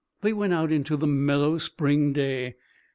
They went out into the mellow spring day.